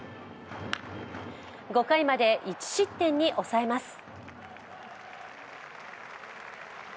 ５回まで１失点に抑えます。